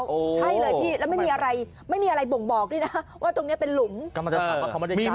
ใช่เลยพี่แล้วไม่มีอะไรบ่งบอกนี่นะว่าตรงนี้เป็นหลุม